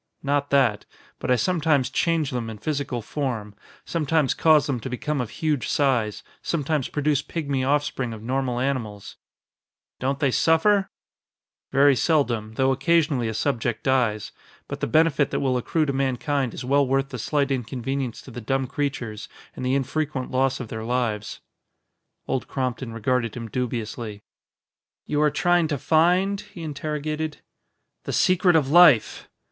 "Not that. But I sometimes change them in physical form, sometimes cause them to become of huge size, sometimes produce pigmy offspring of normal animals." "Don't they suffer?" "Very seldom, though occasionally a subject dies. But the benefit that will accrue to mankind is well worth the slight inconvenience to the dumb creatures and the infrequent loss of their lives." Old Crompton regarded him dubiously. "You are trying to find?" he interrogated. "The secret of life!"